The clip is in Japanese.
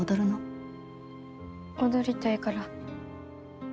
踊りたいから。